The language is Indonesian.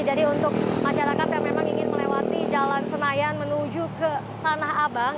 jadi untuk masyarakat yang memang ingin melewati jalan senayan menuju ke tanah abang